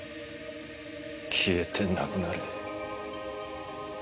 消えてなくなれ。